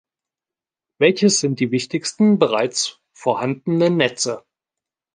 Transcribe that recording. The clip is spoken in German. Welches sind die wichtigsten bereits vorhandenen Netze?